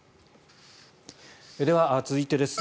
では、続いてです。